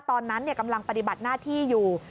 ตอนนั้นกำลังปฏิบัติหน้าที่อยู่